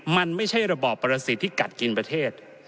มันไม่ใช่ระบอบประสิทธิ์ที่กัดกินประเทศ